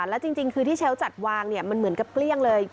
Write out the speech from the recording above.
แล้วจริงคือที่เชลล์จัดวางเนี่ยมันเหมือนกับเกลี้ยงเลย